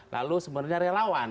lalu sebenarnya relawan